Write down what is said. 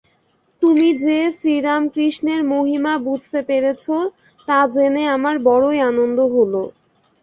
তুমি যে শ্রীরামকৃষ্ণের মহিমা বুঝতে পেরেছ, তা জেনে আমার বড়ই আনন্দ হল।